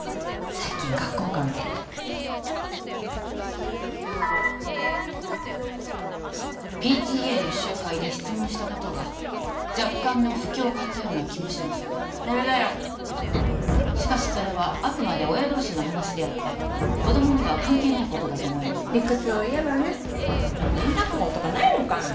最近学校関係でＰＴＡの集会で質問したことが若干の不興を買ったような気もしますがそれだよしかしそれはあくまで親同士の話であって子供には関係ないことだと思いますが理屈を言えばね連絡網とかないのかい？